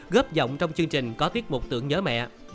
góp giọng trong chương trình có tiết một tượng nhớ mẹ